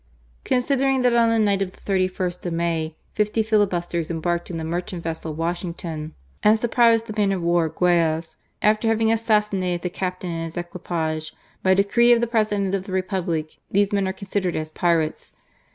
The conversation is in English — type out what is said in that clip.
" Considering that on the night of the 31st of May, fifty filibusters embarked in the merchant vessel Washingtofi and surprised the man of war GuayaSy after having assassinated the captain and his equipage, by decree of the President of the Republic these men are considered as pirates.